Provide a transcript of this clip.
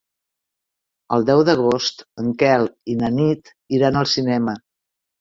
El deu d'agost en Quel i na Nit iran al cinema.